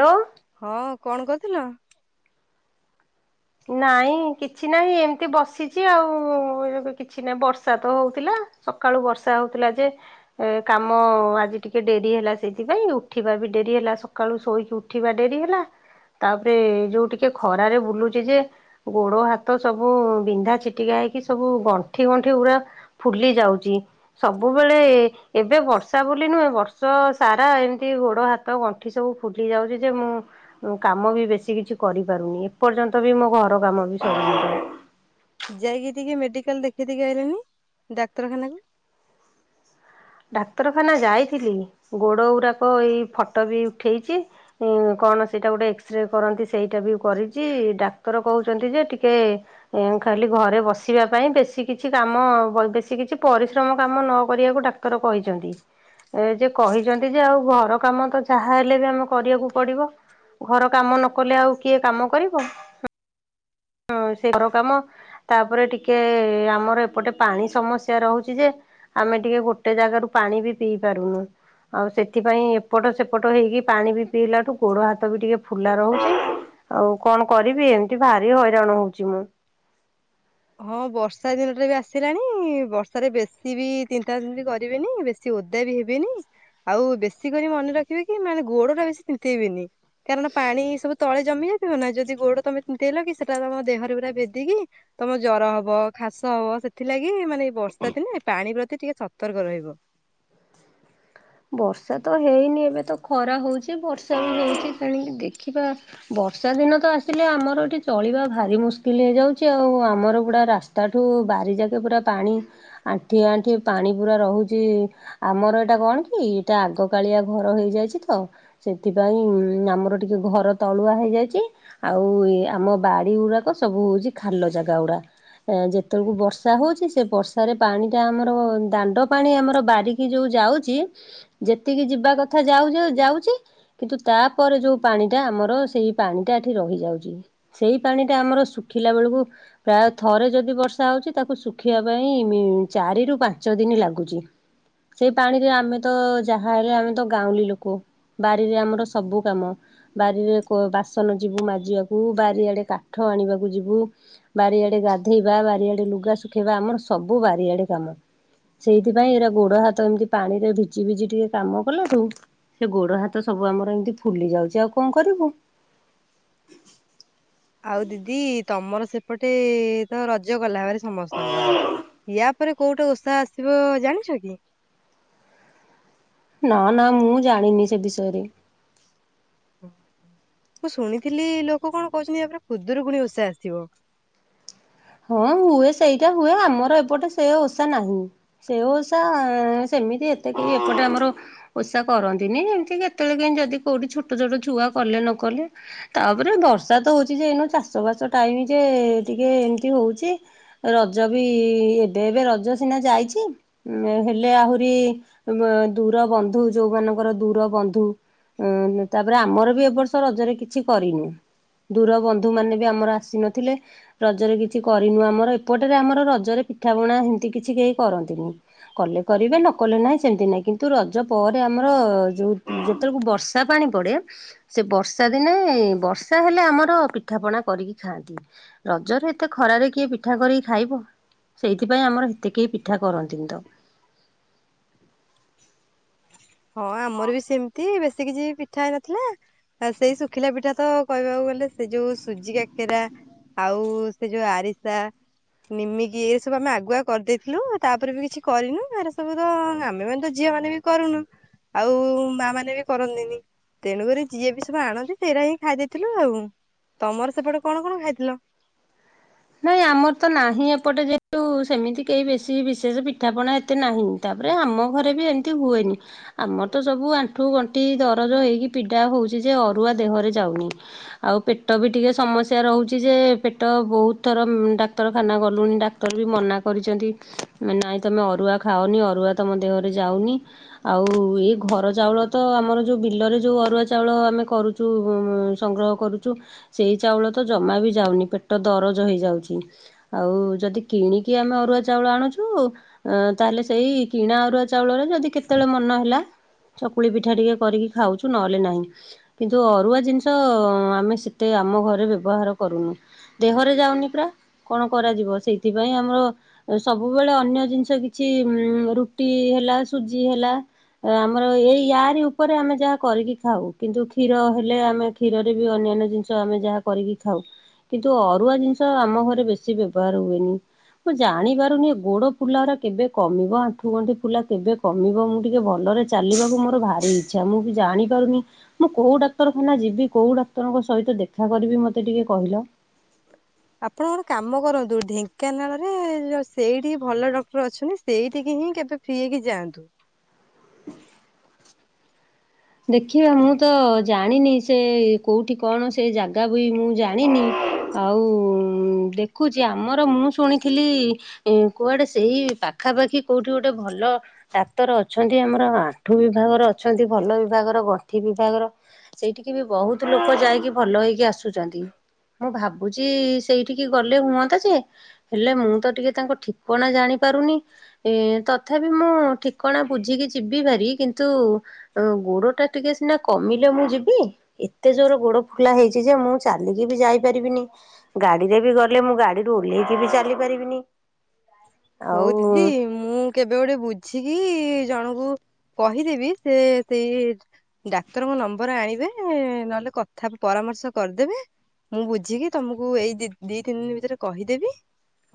Hello ହଁ କଣ କରିଥିଲ? ନାଇଁ କିଛି ନହିଁ ଏମିତି ବସିଛି ଆଉ କିଛି ନାହିଁ ବର୍ଷା ତ ହଉଥିଲା ସକାଳୁ ବର୍ଷା ହଉଥିଲା ଯେ ଏ କାମ ଆଜି ଟିକେ ଡେରି ହେଲା ସେଇଥିପାଇଁ ଉଠିବା ବି ଡେରି ହେଲା ସକାଳୁ ଶୋଇକି ଉଠିବା ଡେରି ହେଲା ତାପରେ ଯୋଉ ଟିକେ ଖରାରେ ବୁଲୁ ଯେ ଗୋଡ ହାତ ସବୁ ବିନ୍ଧା ଛିଟିକା ହେଇକି ସବୁ ଗଣ୍ଠି ଗଣ୍ଠି ପା ଫୁଲି ଯାଉଛି ସବୁବେଳେ ଏବେ ବର୍ଷା ବୋଲିୁ ନୁହେଁ ବର୍ଷ ସାରା ଏମିତି ଗୋଡ ହାତ ଗଣ୍ଠି ସବୁ ଫୁଲି ଯାଉଛି ଯେ ମୁଁ କାମ ବି ବେଶୀ କିଛି କରିପାରୁନି ଏପର୍ଯ୍ୟନ୍ତ ତ ବି ମୋ ଘର କାମ ବି ସରିନି। ଯାଇକି ଟିକେ ମେକ କାଲି ଦେଖିଦକି ଆଇିଲାନି ଡାକ୍ତରଖାନା କ ଡାକ୍ତରଖାନା ଯାଇଥିଲି ଗୋଡ଼ ଗୁଡ଼ାକ ଏଇ ଫଟୋ ବି ଉଠାଇଛି କଣ ସେଇଟା ଗୋଟେ ଏକ୍ସରେ କରନ୍ତି ସେଇଟା ବି କରିଛି ଡାକ୍ତର କହୁଛନ୍ତି ଯେ ଟିକଏ ଖାଲି ଘରେ ବସିବା ପାଇଁ ବେଶ ର କହିଛନ୍ତି ଏ ଯେ କହିଛନ୍ତି ଯେ ଆଉ ଘର କାମ ତ ଯାହା ହେଲେ ବି ଆମେ କରିବାକୁ ପଡିବ ଘର କାମ ନ କଲେ ଆଉ କିଏ କାମ କରିବ। ହଁ ସେ ଘର କାମ ତାପରେ ଟିକେ ଆମର ଏପଟେ ପାଣି ସମସ୍ୟା ରହୁଛି ଯେ ଆମେ ଟିକେ ଗୋଟେ ଜାଗାରୁ ପାଣି ବି ପିଇ ପାରୁନୁ ଆଉ ସେଥିପାଇଁ ଏପଟ ସେପଟ ହେଇକି ପାଣି ବି ପିଇଲାଠୁ ଗୋଡ ହାତ ବି ଟିକେ ଫୁଲା ରହୁଛି ଆଉ କଣ କରିବି ଏମିତି ବାହାର ଭ ହଇରାଣ ହଉଛି ମୁଁ ହଁ ବର୍ଷା ଦିନଟା ବି ଆସିଲାଣି ବର୍ଷାରେ ବେଶୀ ବି ଚିନ୍ତା କରିବେନି ବେଶୀ ଓଦା ବି ହେବନି ଆଉ ବେଶୀ କରି ମନେ ରଖିବେ କି ମାନେ ଗୋଡ ଟା ବେଶୀ ତିନ୍ତେଇବନି କାରଣ ପାଣି ସବୁ ତଳେ ଜମି ଯାଇଥିବ ନା ଯଦି ଗୋଡ ତମେ ତିନ୍ନ୍ତେଇଲ କି ସେଟା ତମ ଦେହରେ ପୁରା ଭେଦିକି ତମ ଜର ହବ ଖାସ ହବ ସେଥିଲାଗି ମାନେ ବର୍ଷା ଦିନ ପାଣି ଟିକେ ସତର୍କ ରହିବ। ବର୍ଷା ତ ହେଇନି ଏବେ ତ ଖରା ହଉଛି ବର୍ଷା ବି ହଉଛି ତଣିକ ଦେଖିବା ବର୍ଷା ଦିନ ତ ଆସିଲେ ଆମର ଏଠି ଚଳିବା ଭାରି ମୁସ୍କିଲ ହେଇଯାଉଛି ଆଉ ଆମର ପୁରଡା ରାସ୍ତା ଠୁ ବାରି ଯାକେ ପୁରା ପାଣି ଆଣ୍ଠି ଆଣ୍ଠି ପାଣି ପୁରା ରହୁଛି ଆମର ଏଇଟା କଣ? କି ଏଇଟା ଆଗକାଳିଆ ଘର ହେଇଯାଇଛି ତ ସେଥିପାଇଁ ଆମର ଟିକିଏ ଘର ତଳୁଆ ହେଇଯାଇଛି ଆଉ ଆମ ବାଡ଼ି ଗୁଡ଼ାକ ସବୁ ହେଉଛି ଖାଲ ଜାଗାାଗୁଡ଼ା ଯେତେବେଳକୁ ବର୍ଷା ହେଉଛି ସେ ବର୍ଷାରେ ପାଣିଟା ଆମର ଦାଣ୍ଡ ପାଣି ଆମର ବାରିକି ଯେଉଁ ଯାଉଛି। ଯେତିକି ଯିବା କଥା ଯାଉ ଯାଉଛି କିନ୍ତୁ ତାପରେ ଯୋଉ ପାଣି ଟା ଆମର ସେଇ ପାଣିଟା ଏଠି ରହିଯାଉଛି ସେଇ ପାଣି ଟା ଆମର ଶୁଖିଲା ବେଳକୁ ପ୍ରାୟ ଥରେ ଯଦି ବର୍ଷା ହଉଛି ତାକୁ ଶୁଖିବା ପାଇଁ ଚାରିରୁୁ ପାଞ୍ଚ ଦିନ ଲାଗୁଛି ସେଇ ପାଣିରେ ଆମେ ତ ଯାହା ହେଲେ ଆମେ ତ ଗାଉଁଲି ଲୋକ ବାରିରେ ଆମର ସବୁ କାମ ବାରିରେ ବାସନ ଯିବୁ ମାଜିବାକୁ ବାରିଆଡ଼େ କାଠ ଆଣିବାକୁ ଯିବୁ ବାରିଆଡେ ଗାଧେଇବା ବାରିଆଡେ ଲୁଗା ଶୁଖେଇବା ଆମର ସବୁ ବାରିଆଡେ କାମ ସେଇଥିପାଇଁ ଏରା ଗୋଡ଼ ହାତ ଏମିତି ପାଣିରେ ଯିବି ଟିକେ କାମ କଲାଠୁ ସେ ଗୋଡ ହାତ ସବୁ ଆମର ଏମିତି ଫୁଲି ଯାଉଛି ଆଉ କଣ କରିବୁ। ଆଉ ଦିଦି ତମର ସେପଟେ ତ ରଜ ଗଲା ଭାବ ସମସ୍ତଙ୍କର ୟା ପରେ କୋଉଠି ଉତ୍ସାହ ଆସିବ ଜାଣିଛ କି? ନା ନା ମୁଁ ଜାଣିନି ସେ ବିଷୟରେ ମୁଁ ଶୁଣିଥିଲି ଲୋକ କଣ କହୁଛନ୍ତି ୟାପରେ କୁଦରୁ ପୁଣି ଓଷା ଆସିବ। ହଁ ହୁଏ ସେଇଟା ହୁଏ ଆମର ଏପଟେ ସେ ଓଷା ନାହିଁ ସେ ଓଷା ସେମିତି ଏତେ କେହି ଏପଟେ ଆମର ଓଷା କରନ୍ତିନି ଏମିତି କେତେବେଳେ କେ ଯଦି କୋଉଠି ଛୋଟ ଛୋଟ ଛୁଆ କଲେ ନ କଲେ ତାପରେ ବର୍ଷା ତ ହଉଛି ଯେନୁ ଚାଷ ବାସ ଟାଇମ ଯେ ଟିକେ ଏ ହଉଛି ରଜ ବି ଏବେ ଏବେ ରଜ ସିନା ଯାଇଛି ହେଲେ ଆହୁରି ଦୂର ବନ୍ଧୁ ଯୋଉମାନଙ୍କର ଦୂର ବନ୍ଧୁ ତାପରେ ଆମର ବି ଏବ ବର୍ଷ ରଜରେ କିଛି କରିନୁ ଦୂର ବନ୍ଧୁ ମାନେ ବି ଆମର ଆସିନଥିଲେ ରଜରେ କିଛି କରିନୁ ଆମର ଏପଟରେ ଆମର ରଜରେ ପିଠା ପଣା ସେମତି କିଛି କେହି କରନ୍ତିନି କଲେ କରିବେ ନ କଲେ ନାହିଁ ସେମତି ନାହିଁ କିନ୍ତୁ ରଜ ପରେ ଆମର ଯୋଉ ଯେତେବେଳକୁ ବର୍ଷା ପାଣି ପଡେ ସେ ବର୍ଷା ଦିନେ ବର୍ଷା ହେଲେ ଆମର ପିଠାପଣା କରିକି ଖାଆନ୍ତି ରଜରେ ଏତେ ଖରାରେ କିଏ ପିଠା କରିକି ଖାଇବ ସେଇଥିପାଇଁ ଆମର ଏତେ କେହି ପିଠା କରନ୍ତିନି ତ ହଁ। ହଁ ଆମର ବି ସେମିତି ବ ସେ କିଛି ପିଠା ହେ ନଥିଲା ସେଇ ଶୁଖିଲା ପିଠା ତ କହିବାକୁ ଗଲେ ସେ ଯୋଉ ସୁଜି କଖିରା ଆଉ ସେ ଯୋଉ ଆରିସା ନିମିକି ଏ ସବୁ ଆମେ ଆଗୁଆ କରିଦେଇଥିଲୁ ତାପରେ ବି କିଛି କରିନୁ ଏର ସବୁ ତ ଆମେମାନେ ତ ଝିଅ ମାନେ ବି କରୁନୁ ଆଉ ମା ମାନେ ବି କରନ୍ତିନି ତେଣୁକ ଯିଏ ବି ସବୁ ଆଣନ୍ତି ସେଇଟା ହିଁ ଖାଇ ଦେଇେଇଥିଲୁ ଆଉ ତମର ସେପଟେ କଣ କଣ ଖାଇଥିଲ। ନାଇଁ ଆମର ତ ନାହିଁ ଏପଟେ ଯେହେତୁ ସେମିତି କେହି ବେଶୀ ବିଶେଷ ପିଠାପଣା ଏତେ ନାହିଁ ତାପରେ ଆମ ଘରେ ବି ଏମିତି ହୁଏନି ଆମର ତ ସବୁ ଆଣ୍ଠୁ ଗଣ୍ଠି ଦରଜ ହେଇକି ପିଡ଼ା ହଉଛି ଯେ ଅରୁଆ ଦେହରେ ଯାଉନି ଆଉ ପେଟ ବି ଟିକେ ସମସ୍ୟା ରହୁଛି ଯେ ପେଟ ବହୁତ ଥର ଡାକ୍ତରଖାନା ଗଲୁଣି ଡାକ୍ତର ବି ମନା କରିଛନ୍ତି ନାଇଁ ତୁମେ ଅରୁଆ ଖାଉନି ଅରୁଆ ତମ ଦେହରେ ଯାଉନି ଆଉ ଏ ଘର ଚାଉଳ ତ ଆମର ଯେଉଁ ବିଲରେ ଯେଉଁ ଅରୁଆ ଚାଉଳ ଆମେ କରୁୁ ସଂଗ୍ରହ କରୁଛୁ ସେଇ ଚାଉଳ ତ ଜମା ବି ଯାଉନି ପେଟ ଦର ହେଯାଉଛି ଆଉ ଯଦି କିଣିକି ଆମେ ଅରୁଆ ଚାଉଳ ଆଣୁଛୁ ତାହେଲେ ସେଇ କିଣା ଅରୁଆ ଚାଉଳରେ ଯଦି କେତେବେଳେ ମନ ହେଲା ଚକୁଳି ପିଠା ଟିକେ କରିକି ଖାଉଛୁ ନହେଲେ ନାହିଁ କିନ୍ତୁ ଅରୁଆ ଜିନିଷ ଆମେ ସେତେ ଆମ ଘରେ ବ୍ୟବହାର କରୁନୁ ଦେହ ାଉନି ପୁରା କଣ କରାଯିବ ସେଇଥିପାଇଁ ଆମର ସବୁବେଳେ ଅନ୍ୟ ଜିନିଷ କିଛି ରୁଟି ହେଲା ସୁଜି ହେଲା ଆମର ଏଇ ୟାରି ଉପରେ ଆମେ ଯାହା କରିକି ଖାଉ କିନ୍ତୁ କ୍ଷୀର ହେଲେ ଆମେ କ୍ଷୀରରେ ବି ଅନ୍ୟାନ୍ୟ ଜିନିଷ ଆମେ ଯାହା କରିକି ଖାଉ। ଅରୁଆ ଜିନିଷ ଆମ ଘରେ ବେଶୀ ବ୍ୟବହାର ହୁଏନି ମୁଁ ଜାଣି ପାରୁନି ଗୋଡ ଫୁଲ କେବେ କମ ଆଣ୍ଠୁ ଗଣ୍ଠି ଫୁଲା କେବେ କମ ମୁଁ ଟିକ ଭଲରେ ଚାଲିବାକୁ ମୋର ଭାରି ଇଛା ମୁଁ ବି ଜାଣି ପାରୁନି ମୁଁ କୋଉ ଡାକ୍ତରଖାନା ଯିବି କୋଉ ଡାକ୍ତରଙ୍କ ସହିତ ଦେଖା କରିବି ମତେ ଟିକେ କହିଲ। ଆପଣ ଗଣେ କାମ କରନ୍ତୁ ଢେଙ୍କାନାଳରେ ସେଇଠିକି ଭଲ ଡକ୍ଟର ଅଛନ୍ତି ସେଇଠିକି ହିଁ କେବେ ଫ୍ରି ହେଇକି ଯାଆନ୍ତୁ। ଦେଖିବା ମୁଁ ତ ଜାଣିନି ସେ କୋଉଠି କଣ ସେ ଜାଗା ବି ମୁଁ ଜାଣିନି ଆଉ ଦେଖୁଛି ଆମର ମୁଁ ଶୁଣିଥିଲି କୁଆଡେ ସେଇ ପାଖାପାଖି କୋଉଠି ଗୋଟେ ଭଲ ଡାକ୍ତର ଅଛନ୍ତି ଆମର ଆଣ୍ଠୁ ବିଭାଗର ଅଛନ୍ତି ଭଲ- ବିଭାଗର ଗଣ୍ଠି ବିଭାଗର ସେଇଠିକି ବି ବହୁତ ଲୋକ ଯାଇକି ଭଲ ହେଇକି ଆସୁଛନ୍ତି ମୁଁ ଭାବୁଛି ସେଇଠିକି ଗଲେ ହୁଅନ୍ତା ଯେ ହେଲେ ମୁଁ ତ ଟିକେ ତାଙ୍କ ଠିକଣା ଜାଣି ପାରୁନି ଏ ତଥାପି ମୁଁ ଠିକଣା ବୁଝିକି ଯିବି ପାରି କିନ୍ତୁ- ଗୋଡ ଟା ଟିକେ ସିନା କମିଲେ ମୁଁ ଯିବି ଏତେ ଜୋର ଗୋଡ ଫୁଲା ହେଇଛି ଯେ ମୁଁ ଚାଲିକି ବି ଯାଇପାରିବିନି ଗାଡିରେ ବି ଗଲେ ମୁଁ ଗାଡିରୁ ଓହ୍ଲେଇକି ବି ଚାଲି ପାରିବିନି ହଉ ଆଉ ଦିଦି ମୁଁ କେବେ ଗୋଟେ ବୁଝିକି- ଜଣଙ୍କୁ କହିଦେବି ସେ ସେଇ ଡାକ୍ତରଙ୍କ ନମ୍ବର ଆଣିବେ ନହେଲେ କଥା ପରାମର୍ଶ କରିଦେବେ ମୁଁ ବୁଝିକି ତମକୁ ଏଇ ଦି ତିନି ଦିନ ଭିତରେ କହିଦେବି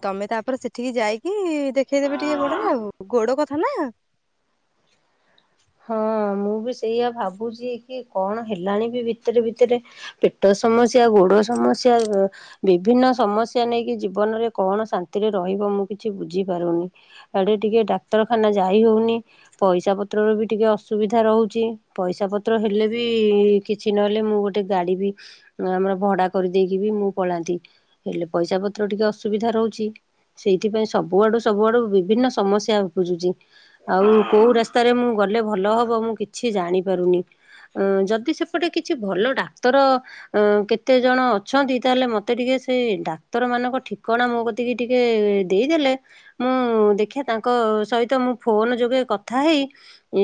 ତମେ ତାପରେ ସେଠିକି ଯାଇକି- କି ଦେଖେଇଦେବେ ଟିକେ ଗୋଡରେ ଆଉ ଗୋଡ କ- ହେଲୋ ହଁ ମୁଁ ବି ସେଇଆ ଭାବୁଛି କି କଣ ହେଲାଣି ବି ଭିତରେ ଭିତରେ ପେଟ ସମସ୍ୟା ଗୋଡ ସମସ୍ୟା ବିଭିନ୍ନ ସମସ୍ୟା ନେଇକି ଜୀବନରେ କଣ ଶାନ୍ତିରେ ରହିବ ମୁଁ କିଛି ବୁଝି ପାରୁନି ଆଡେ ଟିକେ ଡାକ୍ତରଖାନା ଯାଇ ହଉନି ପଇସା ପତ୍ରର ବି- ଟିକେ ଅସୁବିଧା ରହୁଛି ପଇସା ପତ୍ର ହେଲେ ବି କିଛି ନହେଲେ ମୁଁ ଗୋଟେ ଗାଡି ବି ଆମର ଭଡା କରିଦେଇକି ବି ମୁଁ ପଳାନ୍ତି ହେଲେ ପଇସା ପତ୍ର ଟିକେ ଅସୁବିଧା ରହୁଛି ସେଇଥିପାଇଁ ସବୁଆଡୁ ସବୁଆଡୁ ବିଭିନ୍ନ ସମସ୍ୟା ଉପୁଜୁଛି ଆଉ କୋଉ ରାସ୍ତାରେ ମୁଁ ଗଲେ ଭଲ ହବ ମୁଁ କିଛି ଜାଣିପାରୁନି ଯଦି ସେପଟେ କିଛି ଭଲ ଡାକ୍ତର କେତେ ଜଣ ଅଛନ୍ତି ତାହେଲେ ମୋତେ ଟିକେ ସେ ଡାକ୍ତର ମାନଙ୍କ ଠିକଣା ମୋ କତିକି ଟିକେ ଦେଇଦେଲେ ମୁଁ ଦେଖିବା ତାଙ୍କ ସହିତ ମୁଁ ଫୋନ ଯୋଗେ କଥା ହେଇ-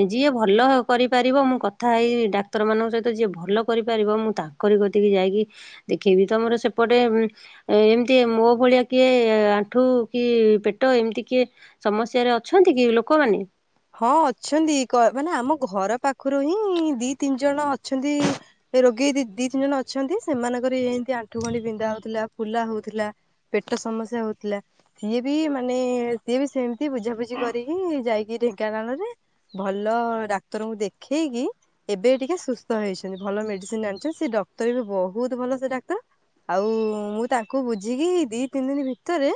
ଯିଏ ଭଲ କରିପାରିବ ମୁଁ କଥା ହେଇ ଡାକ୍ତର ମାନଙ୍କ ସହିତ ଯିଏ ଭଲ କରିପାରିବ ମୁଁ ତାଙ୍କରି କତିକି ଯାଇକି ଦେଖେଇବି ତମର ସେପଟେ ଏମିତି ମୋ ଭଳିଆ କିଏ ଆଣ୍ଠୁ କି ପେଟ ଏମିତି କିଏ ସମସ୍ୟାରେ ଅଛନ୍ତି କି ଲୋକମାନେ ହଁ ଅଛନ୍ତି ମାନେ ଆମ ଘର ପାଖରୁ ହିଁ ଦି ତିନି ଜଣ ଅଛନ୍ତି ରୋଗୀ ଦି ତିନି ଜଣ ଅଛନ୍ତି ସେମାନଙ୍କର ଏମିତି ଆଣ୍ଠୁ ଗଣ୍ଠି ବିନ୍ଧା ହଉଥିଲା ଫୁଲା ହଉଥିଲା ପେଟ ସମସ୍ୟା ହଉଥିଲା ସିଏ ବି ମାନେ ସିଏ ବି ସେମିତି ବୁଝାବୁଝି କରିକି ଯାଇକି- [unintelligible] ଭଲ ଡାକ୍ତରଙ୍କୁ ଦେଖେଇକି ଏବେ ଟିକେ ସୁସ୍ଥ ହେଇଛନ୍ତି ଭଲ ମେଡିସିନ ଆଣିଛନ୍ତି ସେ ଡକ୍ତର ବି ବହୁତ ଭଲ ସେ ଡାକ୍ତର ଆଉ ମୁଁ ତାଙ୍କୁ ବୁଝିକି ଦି ତିନି ଦିନ ଭିତରେ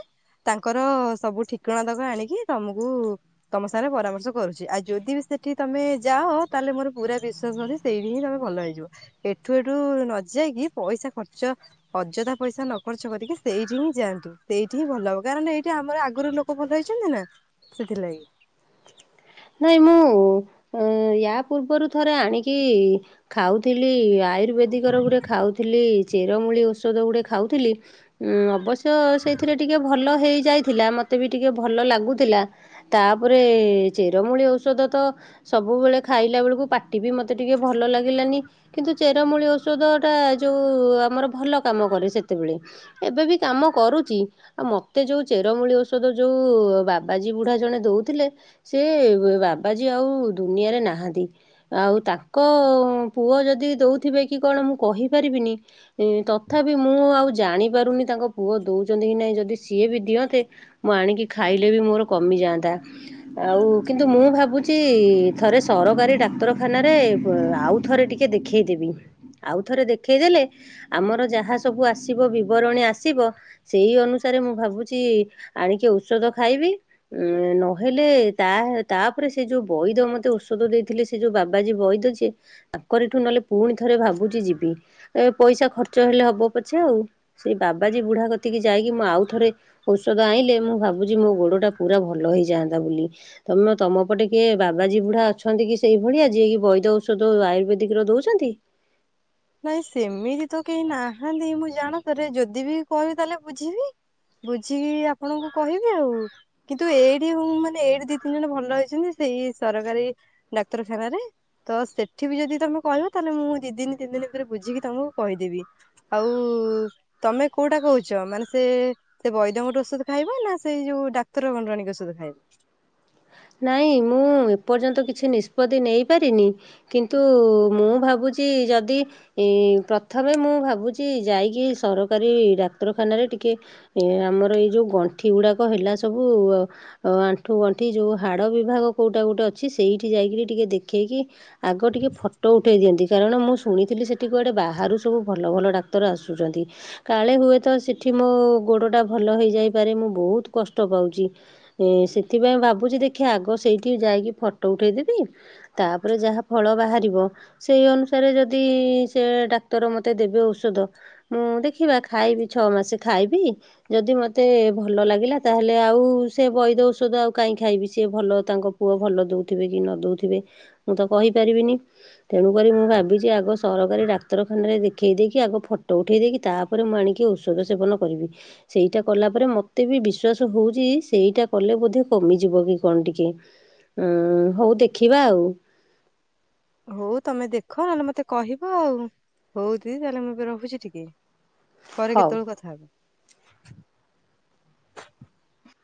ତାଙ୍କର ସବୁ ଠିକଣା ତକ ଆଣିକି ତମକୁ ତମ ସାଙ୍ଗରେ ପରାମର୍ଶ - କରୁଛି ଆଉ ଯଦି ବି ସେଠି ତମେ ଯାଅ ତାହେଲେ ମୋର ପୁରା ବିଶ୍ଵାସ ଅଛି ସେଇଠି ହିଁ ତମେ ଭଲ ହେଇଯିବ ଏଠୁ ଏଠୁ ନଯାଇକି ପଇସା ଖର୍ଚ୍ଚ ଅଯଥା ପଇସା ନ ଖର୍ଚ୍ଚ କରିକି ସେଇଠି ହିଁ ଯାଆନ୍ତୁ ସେଇଠି ହିଁ ଭଲ ହବ କାରଣ ଏଇଠି ଆମର ଆଗରୁ ଲୋକ ଭଲ ହେଇଛନ୍ତି ନା ସେଥିଲାଗି- ନାଇଁ ମୁଁ ୟା ପୂର୍ବରୁ ଥରେ ଆଣିକି ଖାଉଥିଲି ଆୟୁର୍ବେଦିକ ର ଗୁଟେ ଖାଉଥିଲି ଚେରମୂଳି ଔଷଧ ଗୁଟେ ଖାଉଥିଲି ଉଁ ଅବଶ୍ୟ ସେଇଥିରେ ଟିକେ ଭଲ- ହେଇ ଯାଇଥିଲା ମୋତେ ବି ଟିକେ ଭଲ ଲାଗୁଥିଲା ତାପରେ ଚେରମୂଳି ଔଷଧ ତ ସବୁବେଳେ ଖାଇଲା ବେଳକୁ ପାଟି ବି ମୋତେ ଟିକେ ଭଲ ଲାଗିଲାନି କିନ୍ତୁ ଚେରମୂଳି ଔଷଧ ଟା ଯୋଉ ଆମର ଭଲ କାମ କରେ ସେତେବେଳେ ଏବେବି କାମ କରୁଛି ଆଉ ମତେ ଯୋଉ ଚେରମୂଳି ଔଷଧ ଯୋଉ ବାବାଜୀ ବୁଢା ଜଣେ ଦଉଥିଲେ ସେ ବାବାଜୀ ଆଉ ଦୁନିଆରେ ନାହାନ୍ତି ଆଉ ତାଙ୍କ ପୁଅ ଯଦି ଦଉଥିବେ କି କଣ ମୁଁ କହିପାରିବିନି ତଥାପି ମୁଁ ଆଉ ଜାଣିପାରୁନି ତାଙ୍କ ପୁଅ ଦଉଛନ୍ତି କି ନାହିଁ ଯଦି ସିଏ ବି ଦିଅନ୍ତେ ମୁଁ ଆଣିକି ଖାଇଲେ ବି ମୋର କମିଯାଆନ୍ତା ଆଉ କିନ୍ତୁ ମୁଁ ଭାବୁଛି ଥରେ ସରକାରୀ ଡାକ୍ତରଖାନାରେ ଆଉ ଥରେ ଟିକେ ଦେଖେଇଦେବି ଆଉଥରେ ଦେଖେଇଦେଲେ ଆମର ଯାହା ସବୁ ଆସିବ ବିବରଣୀ ଆସିବ। ସେଇ ଅନୁସାରେ ମୁଁ ଭାବୁଛି ଆଣିକି ଔଷଧ ଖାଇବି ଉ ନହ ହେଲେ ତା ତାପରେ ସେ ଯୋଉ ବୈଦ ମତେ ଔଷଧ ଦେଇଥିଲେ ସେ ଯୋଉ ବାବାଜୀ ବୈଦ ସି ତାଙ୍କରିଠୁ ନହେଲେ ପୁଣି ଥରେ ଭାବୁଛି ଯିବି ଏ ପଇସା ଖର୍ଚ୍ଚ ହେଲେ ହବ ପଛେ ଆଉ ସେଇ ବାବାଜୀ ବୁଢା କତିକି ଯାଇକି ମୁଁ ଆଉ ଥରେ ଔଷଧ ଆଣିଲେ ମୁଁ ଭାବୁଛି ମୋ ଗୋଡ ଟା ପୁରା ଭଲ ହେଇଯାଆନ୍ତା। ତମ ତମ ପଟେ କିଏ ବାବାଜୀ ବୁଢା ଅଛନ୍ତି କି ସେଇ ଭଳିଆ ଯିଏକ ବୈଦ ଔଷଧ ଆୟୁର୍ବେଦିକ ର ଦଉଛନ୍ତି। ନାଇଁ ସେମିତି ତ କେହି ନାହାନ୍ତି ମୁଁ ଜାଣ ତରେ ଯଦି ବି କହିବି ତାହେଲେ ବୁଝିବି ବୁଝିକି ଆପଣଙ୍କୁ କହିବି ଆଉ କିନ୍ତୁ ଏଇଠି ମାନେ ଏଇଠି ଦି ତିନି ଜଣ ଭଲ ହେଇଛନ୍ତି ସେଇ ସରକାରୀ ଡାକ୍ତରଖାନାରେ ତ ସେଠି ବି ଯଦି ତମେ କହିବ ତାହେଲେ ମୁଁ ଦି ଦିନ ତିନି ଦିନ ରେ ବୁଝିକି ତମକୁ କହିଦେବି ଆଉ ତମେ କୋଉଟା କହୁଛ ମାନେ ସେ ସେ ବୈଦ୍ୟଙ୍କଟ ଔଷଧ ଖାଇବ ନା ସେଇ ଯୋଉ ଡାକ୍ତର ଖଣ୍ଡରାଣୀ ଔଷଧ ଖାଇବ। ନାଇଁ ମୁଁ ଏପର୍ଯ୍ୟନ୍ତ କିଛି ନିଷ୍ପତି ନେଇ ପାରିନି କିନ୍ତୁ ମୁଁ ଭାବୁଛି ଯଦି ପ୍ରଥମେ ମୁଁ ଭାବୁଛି ଯାଇକି ସରକାରୀ ଡାକ୍ତରଖାନାରେ ଟିକେ ଆମର ଏଇ ଯୋଉ ଗଣ୍ଠି ଗୁଡାକ ହେଲା ସବୁ ଆଣ୍ଠୁ ଗଣ୍ଠି ଯୋଉ ହାଡ ବିଭାଗ କୋଉଟା ଗୋଉଟେ ଅଛି ସେଇଠି ଯାଇକରି ଟିକେ ଦେଖେଇକି ଆଗ ଟିକିଏ ଫଟୋ ଉଠେଇ ଦିଅନ୍ତି କାରଣ ମୁଁ ଶୁଣିଥିଲି ସେଠିୁଆଡ଼େ ବାହାରୁ ସବୁ ଭଲ ଭଲ ଡା ଆସୁଛନ୍ତି କାଳେ ହୁଏ ତ ସେଠି ମୋ ଗୋଡ ଟା ଭଲ ହେଇଯାଇପାରେ ମୁଁ ବହୁତ କଷ୍ଟ ପାଉଛି ଏ ସେଥିପାଇଁ ଭାବୁଛି ଦେଖ ଦେଖ ଆଗ ସେଇଠି ଯାଇକି ଫଟୋ ଉଠେଇଦେବି। ତାପରେ ଯାହା ଫଳ ବାହାର ସେଇ ଅନୁସାରେ ଯଦି ସେ ଡାକ୍ତର ମତେ ଦେବେ ଔଷଧ ମୁଁ ଦେଖିବା ଖାଇବି ଛଅ ମାସ ଖାଇବି ଯଦି ମତେ ଭଲ ଲାଗିଲା ତାହେଲେ ଆଉ ସେ ବୈଦ ଔଷଧ ଆଉ କାଇହିଁ ଖାଇବି। ସି ଭଲ ତାଙ୍କ ପୁଅ ଭଲ ଦଉଥିବେ କି ନ ଦଉଥିବେ ମୁଁ ତ କହିପାରିବିନି ତେଣୁକରି ମୁଁ ଭାବିଛି ଆଗ ସରକାରୀ ଡାକ୍ତରଖାନାରେ ଦେଖେଇ ଦେଇକି ଆଗ ଫଟୋ ଉଠେଇ ଦେଇକି ତାପରେ ମୁଁ ଆଣିକି ଔଷଧ ସେବନ କରିବି ସେଇଟା କଲା ପରେ ମତେ ବିଶ୍୍ୱାସ ହଉଛି ସେଇଟା କଲେ ବୋଧେ କମିଯିବ କି କଣ ଟିକେ ଉଁ ହଉ ଦେଖିବା ଆଉ। ହଉ ତମେ ଦେଖ ନହେଲେ ମତେ କହିବ ଆଉ ହଉ ଦିଦି ତାହେଲେ ମୁଁ ଏବେ ରହୁଛି ଟିକେ ପରେ ହଉ। କେତେବେଳୁ କଥା ହେବ।